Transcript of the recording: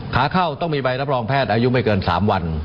ขาเข้าต้องมีใบรับรองแพทย์อายุไม่เกิน๓วัน